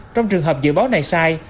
trong trường hợp dự báo này sai